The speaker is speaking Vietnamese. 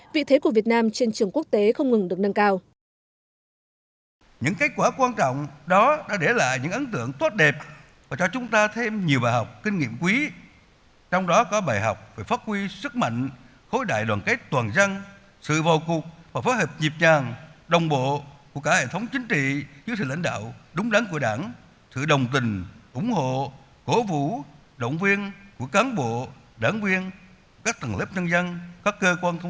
vị thế của việt nam trên trường quốc tế không ngừng được nâng cao